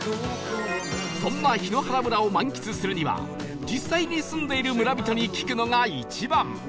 そんな檜原村を満喫するには実際に住んでいる村人に聞くのが一番！